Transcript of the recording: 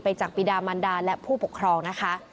จากปีดามันดาและผู้ปกครองนะคะ